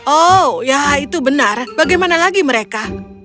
oh ya itu benar bagaimana lagi mereka